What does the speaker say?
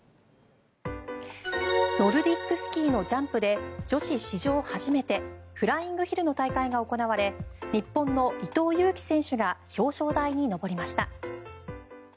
ノルディックスキーのジャンプで女子史上初めてフライングヒルの大会が行われ日本の伊藤有希選手が表彰台に上りました。